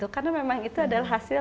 karena memang itu adalah hasil